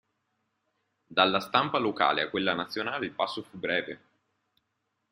Dalla stampa locale a quella nazionale il passo fu breve.